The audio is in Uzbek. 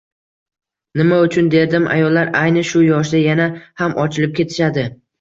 Nima ham derdim, ayollar ayni shu yoshda yana ham ochilib ketishadi